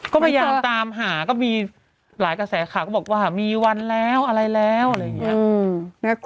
ก็พยายามตามหาก็มีหลายกระแสข่าวก็บอกว่ามีวันแล้วอะไรแล้วอะไรอย่างนี้